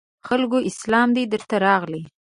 خلکو اسلام دی درته راغلی